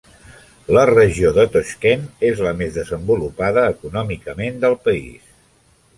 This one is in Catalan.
La regió de Toshkent és la més desenvolupada econòmicament del país.